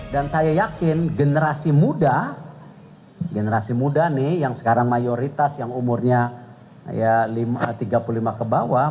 dan saya yakin generasi muda generasi muda nih yang sekarang mayoritas yang umurnya tiga puluh lima ke bawah